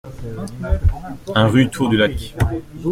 un rue Tour du Lac